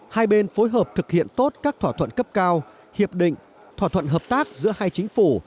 hai bên phối hợp thực hiện tốt các thỏa thuận cấp cao hiệp định thỏa thuận hợp tác giữa hai chính phủ